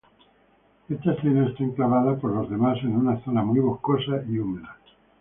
Esta escena está enclavada, por lo demás, en una zona muy boscosa y húmeda.